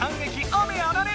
雨あられ！